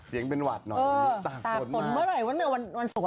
เสียงเป็นหวัดหน่อยตากฝนมากตากฝนเมื่อไหร่วะเนี่ยวันวันศุกร์เหรอ